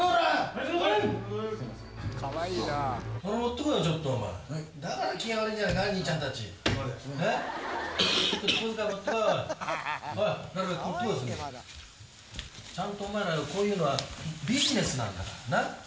あのこういうのは。